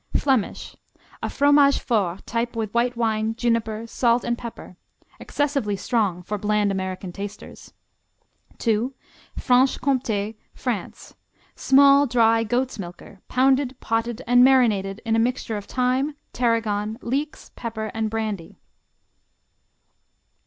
Flemish; a Fromage Fort type with white wine, juniper, salt and pepper. Excessively strong for bland American tasters. II. Franche Comté, France; small dry goat's milker, pounded, potted and marinated in a mixture of thyme, tarragon, leeks, pepper and brandy.